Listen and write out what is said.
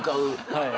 「はい」